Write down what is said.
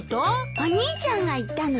お兄ちゃんが言ったのよ。